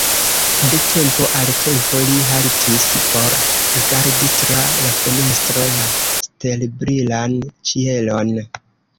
De tempo al tempo li haltis por rigardi tra la fenestro la stelbrilan ĉielon.